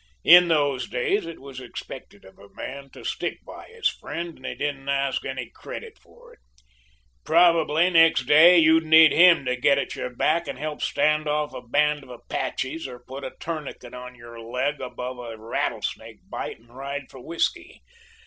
In those days it was expected of a man to stick to his friend, and he didn't ask any credit for it. Probably next day you'd need him to get at your back and help stand off a band of Apaches, or put a tourniquet on your leg above a rattlesnake bite and ride for whisky.